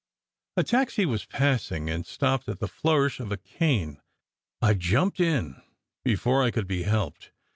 A taxi was passing, and stopped at the flourish of a cane. I jumped in before I could be helped.